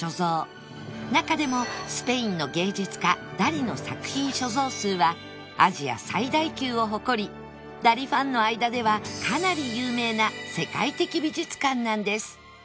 中でもスペインの芸術家ダリの作品所蔵数はアジア最大級を誇りダリファンの間ではかなり有名な世界的美術館なんです